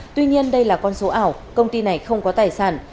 tuy nhiên đây là con số ảo công ty này không có tài sản